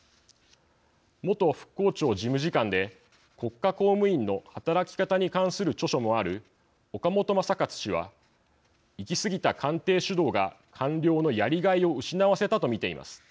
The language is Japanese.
元復興庁事務次官で国家公務員の働き方に関する著書もある岡本全勝氏は行き過ぎた官邸主導が官僚のやりがいを失わせたと見ています。